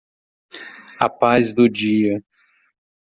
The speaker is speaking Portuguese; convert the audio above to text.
A paz do dia